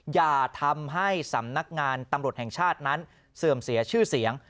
อย่าทำให้สำนักงานตำรวจแห่งชาตินั้นเสื่อมเสียชื่อเสียง